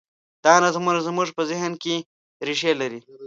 دا نظمونه زموږ په ذهن کې رېښې لري.